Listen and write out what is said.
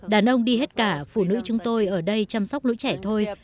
đàn ông đi hết cả phụ nữ chúng tôi ở đây chăm sóc lũ trẻ thôi